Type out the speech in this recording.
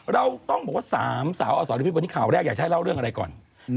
เราต้องบอกว่า๓สาวอสรพิษวันนี้ข่าวแรกอยากจะให้เล่าเรื่องอะไรก่อน